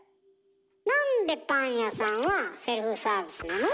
なんでパン屋さんはセルフサービスなの？